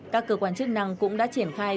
các cơ quan chức năng cũng đã triển khai